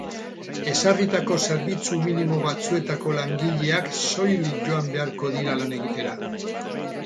Ezarritako zerbitzu minimo batzuetako langileak soilik joan beharko dira lan egitera.